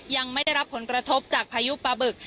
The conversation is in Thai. ยังไม่ได้รับผลกระทบจากพายุปลาบึก